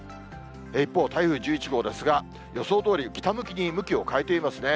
一方、台風１１号ですが、予想どおり、北向きに向きを変えていますね。